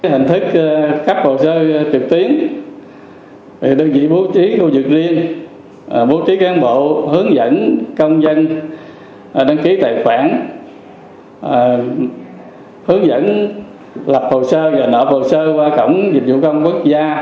hình thức cấp hộ chiếu trực tiến đơn vị bố trí khu vực liên bố trí cán bộ hướng dẫn công dân đăng ký tài khoản hướng dẫn lập hộ chiếu và nộp hộ chiếu qua cổng dịch vụ công quốc gia